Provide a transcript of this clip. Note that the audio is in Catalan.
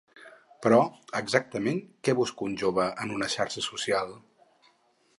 Però, exactament, què busca un jove en una xarxa social?